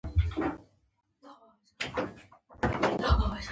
زموږ حالت د غزې له بربادیو کم نه دی.